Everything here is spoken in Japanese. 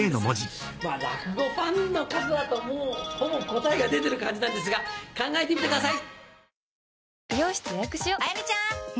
落語ファンの方だともうほぼ答えが出てる感じなんですが考えてみてください！